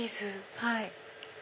はい。